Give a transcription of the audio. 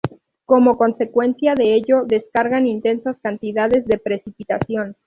Como consecuencia de ello descargan intensas cantidades de precipitación.